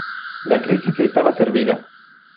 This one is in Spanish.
La crisis estaba servida.